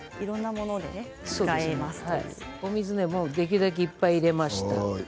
お水は、できるだけいっぱい入れます。